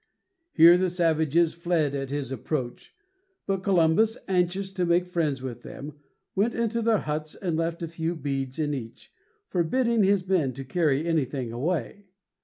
Here the savages fled at his approach; but Columbus, anxious to make friends with them, went into their huts, and left a few beads in each, forbidding his men to carry anything away.